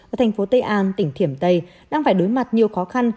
ở thành phố tây an tỉnh thiểm tây đang phải đối mặt nhiều khó khăn